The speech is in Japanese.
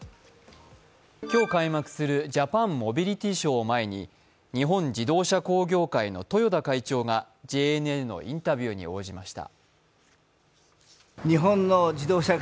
今日開幕するジャパンモビリティショーを前に日本自動車工業会の豊田会長がＪＮＮのインタビューに応じました。